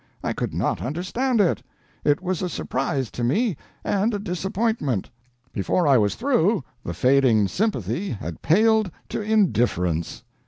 I could not understand it. It was a surprise to me, and a disappointment. Before I was through, the fading sympathy had paled to indifference.